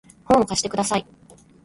本を貸してください